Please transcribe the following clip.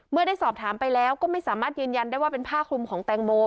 เมื่อได้สอบถามไปแล้วก็ไม่สามารถยืนยันได้ว่าเป็นผ้าคลุมของแตงโม